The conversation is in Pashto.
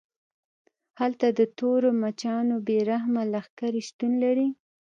هلته د تورو مچانو بې رحمه لښکرې شتون لري